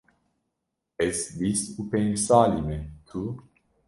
Ez bîst û pênc salî me, tu?